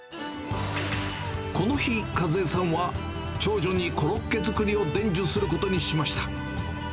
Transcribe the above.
この日、和枝さんは、長女にコロッケ作りを伝授することにしました。